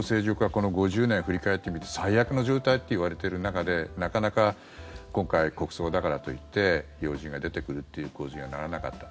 この５０年を振り返ってみて最悪の状態といわれている中でなかなか今回国葬だからといって要人が出てくるという構図にはならなかった。